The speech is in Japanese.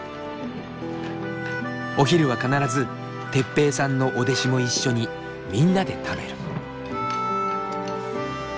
お昼は必ず哲平さんのお弟子も一緒にみんなで食べる。